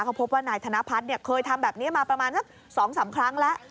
เขาพบว่านายธนพัฒน์เคยทำแบบนี้มาประมาณสัก๒๓ครั้งแล้ว